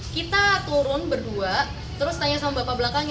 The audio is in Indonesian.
kita turun berdua terus tanya sama bapak belakangnya